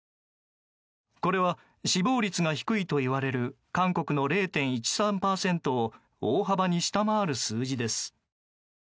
これは死亡率が低いといわれる韓国の０．１３％を大幅に下回る数字です。